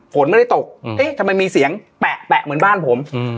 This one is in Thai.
ฝนไม่ได้ตกเอ๊ะทำไมมีเสียงแปะเหมือนบ้านผม